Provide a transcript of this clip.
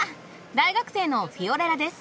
大学生のフィオレラです。